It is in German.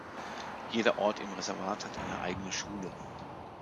Jeder Ort im Reservat hat eine eigene Schule.